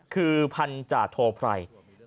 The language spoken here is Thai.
คือพันธาโทไพร